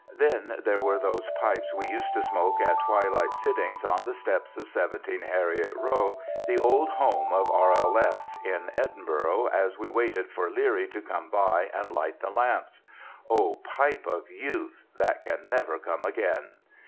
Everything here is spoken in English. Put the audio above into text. Then there were those pipes we used to smoke at twilight sitting on the steps of 17 Heriot Row, the old home of R.L.S. in Edinburgh, as we waited for Leerie to come by and light the lamps. Oh, pipes of youth, that can never come again!